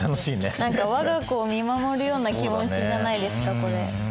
何か我が子を見守るような気持ちじゃないですかこれ。